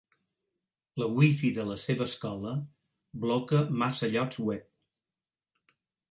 La WiFi de la seva escola bloca massa llocs web.